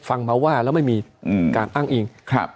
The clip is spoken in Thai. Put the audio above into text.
ฟังมาว่าแล้วไม่มีการอ้างอิง